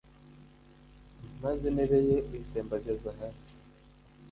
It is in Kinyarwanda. maze intebe ye uyitembagaza hasi